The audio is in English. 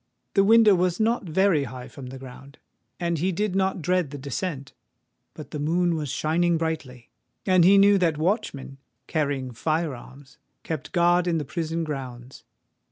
The window was not very high from the ground; and he did not dread the descent:—but the moon was shining brightly—and he knew that watchmen, carrying fire arms, kept guard in the prison grounds.